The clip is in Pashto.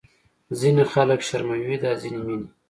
ځینې خلک شرموي دا ځینې مینې